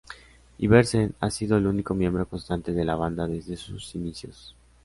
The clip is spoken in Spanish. Iversen ha sido el único miembro constante de la banda desde sus inicios.